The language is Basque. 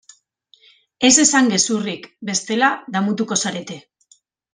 Ez esan gezurrik bestela damutuko zarete.